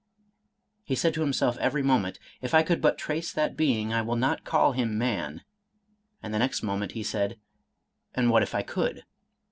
He said to him self every moment, " If I could but trace that being, I will not call him man," — and the next moment he said, "and what if I could?"